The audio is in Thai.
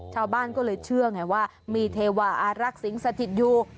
ชาวบ้านก็เลยเชื่อไงว่ามีเทวาอารักษ์สิงสถิตอยู่